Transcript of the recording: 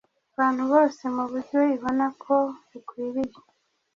Bantu bose mu buryo ibona ko bukwiriye